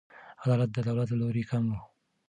عدالت د دولت له لوري کم و.